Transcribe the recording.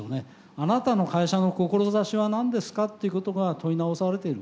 あなたの会社の志は何ですかっていうことが問い直されている。